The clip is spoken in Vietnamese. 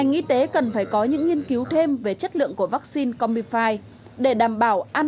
ngành y tế cần phải có những nghiên cứu thêm về chất lượng của vaccine comifi để đảm bảo an